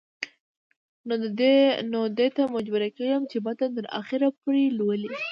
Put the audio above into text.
نو دې ته مجبوره کيږي چې متن تر اخره پورې لولي